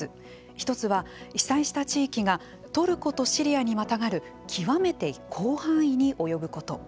ひとつは、被災した地域がトルコとシリアにまたがる極めて広範囲に及ぶこと。